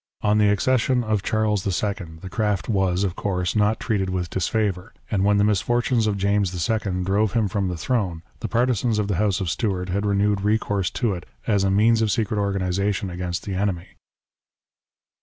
On the accession of Charles II., the craft was, of course, not treated with disfavour ; and when the misfortunes of James II., drove him from the throne, the partisans of the House of Stuart had renewed recourse to it as a means of secret organization against the enemy.